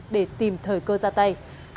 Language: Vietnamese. để tìm thời cơ ra tay